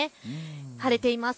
晴れています。